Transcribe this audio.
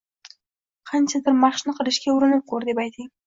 Qanchadir mashqni qilishga urinib ko‘r”, deb ayting.